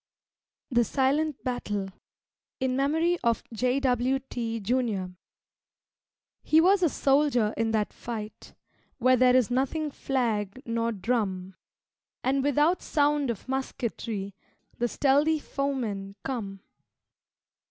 The Silent Battle (In Memory of J. W. T. Jr.) He was a soldier in that fight Where there is neither flag nor drum, And without sound of musketry The stealthy foemen come.